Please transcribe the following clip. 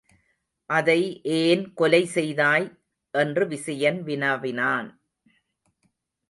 அதை ஏன் கொலை செய்தாய்? என்று விசயன் வினவினான்.